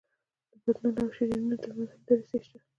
د بطنونو او شریانونو تر منځ هم دریڅې شته.